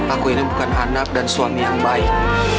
aku ini bukan anak dan suami yang baik